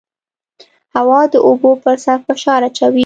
هوا د اوبو پر سر فشار اچوي.